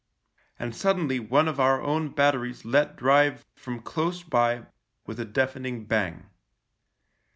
And suddenly one of our own batteries let drive from close by with a deafening bang.